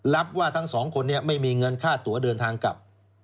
รับว่าทั้งสองคนนี้ไม่มีเงินค่าตัวเดินทางกลับ